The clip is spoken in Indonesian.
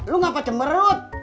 lu ngapa cemerut